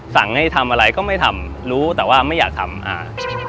สั่งให้ทำอะไรก็ไม่ทำรู้แต่ว่าไม่อยากทำอ่า